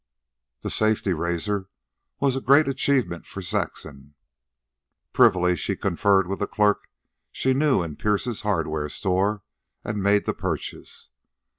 The safety razor was a great achievement for Saxon. Privily she conferred with a clerk she knew in Pierce's hardware store and made the purchase.